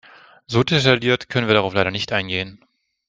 So detailliert können wir darauf leider nicht eingehen.